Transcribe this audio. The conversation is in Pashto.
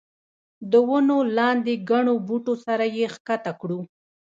د ونو لاندې ګڼو بوټو سره یې ښکته کړو.